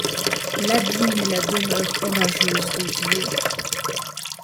L'abîme est la demeure orageuse de Dieu ;